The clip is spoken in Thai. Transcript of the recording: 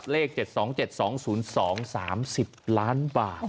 เลข๗๒๗๒๐๒๓๐ล้านบาท